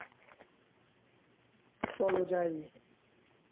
চলো যাই।